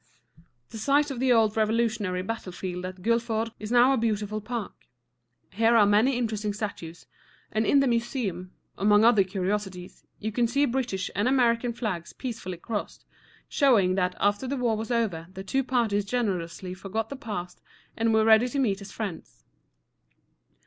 The site of the old Revolutionary battlefield at Guilford Courthouse is now a beautiful park. Here are many interesting statues, and in the museum, among other curiosities, you can see British and American flags peacefully crossed, showing that after the war was over the two parties generously forgot the past and were ready to meet as friends.